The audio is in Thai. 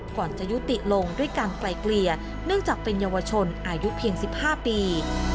ก่อนจะยุติลงด้วยการไกลเกลี่ยเนื่องจากเป็นเยาวชนอายุเพียง๑๕ปี